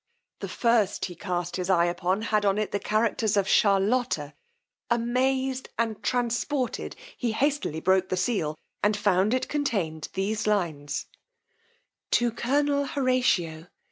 The first he cast his eye upon had on it the characters of Charlotta: amazed and transported he hastily broke the seal, and found it contained these lines: To Colonel HORATIO.